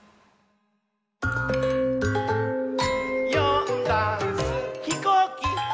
「よんだんす」「ひこうき」！